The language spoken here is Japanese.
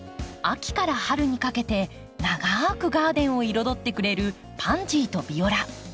秋から春にかけて長くガーデンを彩ってくれるパンジーとビオラ。